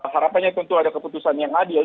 harapannya tentu ada keputusan yang adil